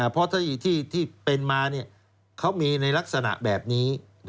เพราะที่เป็นมาเขามีในลักษณะแบบนี้